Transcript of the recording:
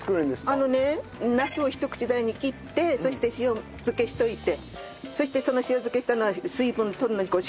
あのねなすをひと口大に切ってそして塩漬けしておいてそしてその塩漬けしたのを水分取るのに絞るんですね。